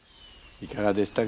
いかがでしたか？